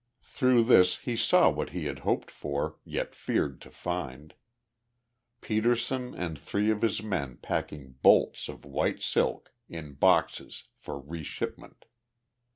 Through this he saw what he had hoped for, yet feared to find Petersen and three of his men packing bolts of white silk in boxes for reshipment.